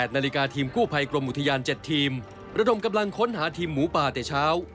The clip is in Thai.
นาฬิกาทีมกู้ภัยกรมอุทยาน๗ทีมระดมกำลังค้นหาทีมหมูป่าแต่เช้า